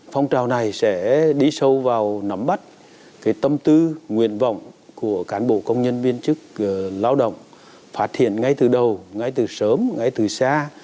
phong trào này sẽ đi sâu vào nắm bắt tâm tư nguyện vọng của cán bộ công nhân viên chức lao động phát hiện ngay từ đầu ngay từ sớm ngay từ xa